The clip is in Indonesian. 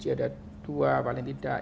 yang g tujuh ada dua paling tidak